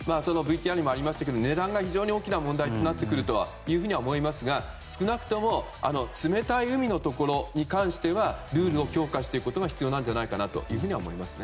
ＶＴＲにもありましたが値段が大きな問題となってくるとは思いますが少なくとも冷たい海のところに関してはルールを強化していくことが必要なんじゃないかなと思います。